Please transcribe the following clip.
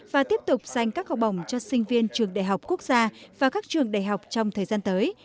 và tiếp tục dành các học bổng cho sinh viên trường đại học quốc gia và các trường đại học trong thời gian tới